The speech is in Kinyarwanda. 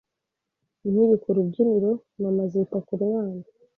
Nkiri ku rubyiniro, mama azita ku mwana